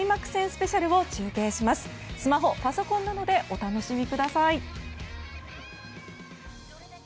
スマホ、パソコンなどでお楽しみください！